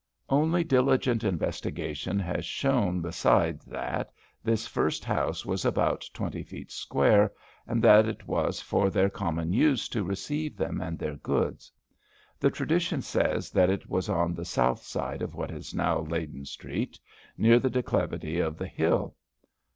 Only diligent investigation has shown beside that this first house was about twenty feet square, and that it was for their common use to receive them and their goods. The tradition says that it was on the south side of what is now Leyden street, near the declivity of the hill.